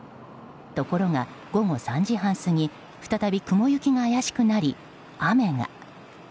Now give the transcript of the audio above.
ところが午後３時半過ぎ再び雲行きが怪しくなり、雨が。